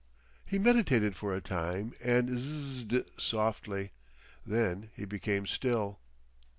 He meditated for a time and Zzzzed softly. Then he became still.